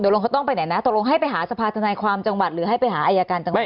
ลงเขาต้องไปไหนนะตกลงให้ไปหาสภาธนายความจังหวัดหรือให้ไปหาอายการจังหวัด